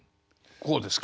こうですか。